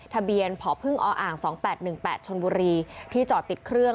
ทะเบียนพพ๒๘๑๘ชนบุรีที่จอดติดเครื่อง